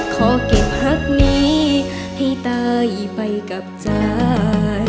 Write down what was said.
ขอเก็บพักนี้ให้ตายไปกับใจ